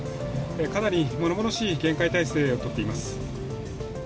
かなり物々しい厳戒態勢を取っています。